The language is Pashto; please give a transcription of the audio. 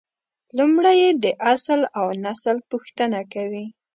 لومړی یې د اصل اونسل پوښتنه کوي.